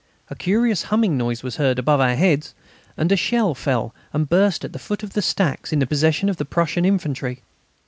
A curious humming noise was heard above our heads, and a shell fell and burst at the foot of the stacks in the possession of the Prussian infantry.